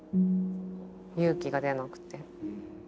勇気が出なくて。